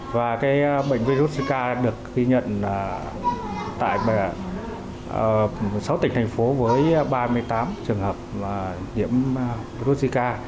và bệnh virus ca được ghi nhận tại sáu tỉnh thành phố với ba mươi tám trường hợp nhiễm virus zika